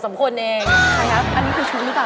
ใครครับอันนี้คือชุมหรือเปล่า